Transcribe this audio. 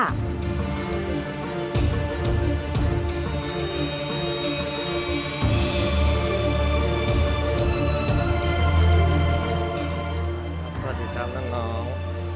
สวัสดีครับน้อง